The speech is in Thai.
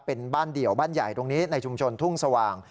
เป็นบ้านเดี่ยวบ้านใหญ่ตรงนี้ในชุมชนทุ่งสว่าง